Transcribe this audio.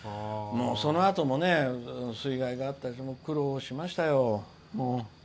そのあとの水害があったり苦労しましたよ。